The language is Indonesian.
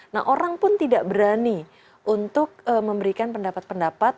nah orang pun tidak berani untuk memberikan pendapat pendapat